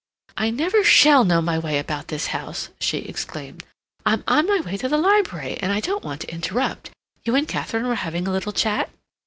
"I never shall know my way about this house!" she exclaimed. "I'm on my way to the library, and I don't want to interrupt. You and Katharine were having a little chat?"